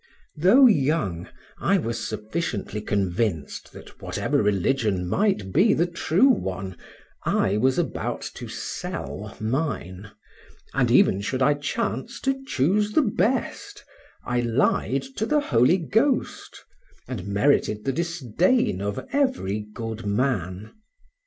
Though young, I was sufficiently convinced, that whatever religion might be the true one, I was about to sell mine; and even should I chance to chose the best, I lied to the Holy Ghost, and merited the disdain of every good man.